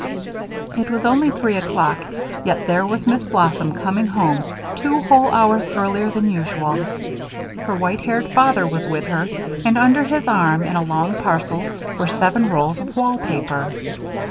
It was only three o'clock, yet there was Miss Blossom coming home two whole hours earlier than usual; her white haired father was with her and under his arm in a long parcel were seven rolls of wall paper.